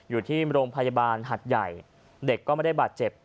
อยู่ที่โรงพยาบาลหัดใหญ่เด็กก็ไม่ได้บาดเจ็บ